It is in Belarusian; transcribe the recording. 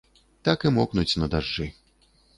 Так і мокнуць на дажджы.